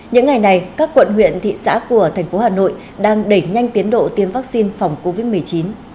những ngày này các quận huyện thị xã của thành phố hà nội đang đẩy nhanh tiến độ tiêm vaccine phòng covid một mươi chín